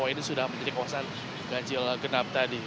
ini sudah menjadi kawasan ganjigenap tadi